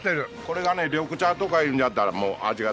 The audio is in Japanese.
これがね緑茶とかいうんやったらもう味が。